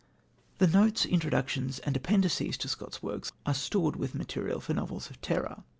The notes, introductions and appendices to Scott's works are stored with material for novels of terror.